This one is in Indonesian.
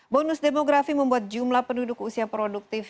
bonus demografi membuat jumlah penduduk usia produktif